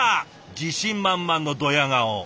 自信満々のドヤ顔。